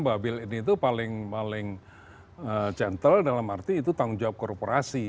bahwa buil ini itu paling gentle dalam arti itu tanggung jawab korporasi